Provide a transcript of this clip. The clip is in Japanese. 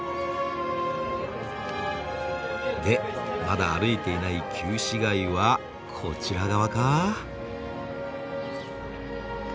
でまだ歩いていない旧市街はこちら側か？